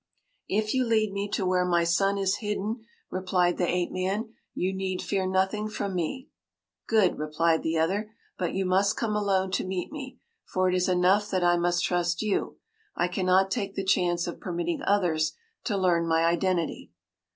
” “If you lead me to where my son is hidden,” replied the ape man, “you need fear nothing from me.” “Good,” replied the other. “But you must come alone to meet me, for it is enough that I must trust you. I cannot take the chance of permitting others to learn my identity.